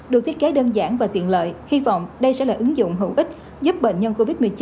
được thiết kế đơn giản và tiện lợi hy vọng đây sẽ là ứng dụng hữu ích giúp bệnh nhân covid một mươi chín